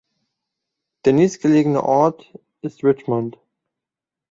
Der nächstgelegene Ort ist Richmond.